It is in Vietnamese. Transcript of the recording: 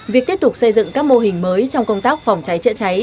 việc tiếp tục xây dựng các mô hình mới trong công tác phòng cháy chữa cháy